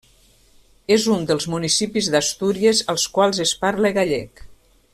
És un dels municipis d'Astúries als quals es parla gallec.